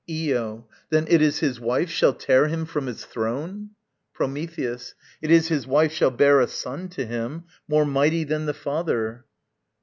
Io. Then It is his wife shall tear him from his throne? Prometheus. It is his wife shall bear a son to him, More mighty than the father.